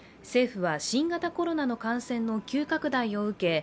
政府は新型コロナの感染の急拡大を受け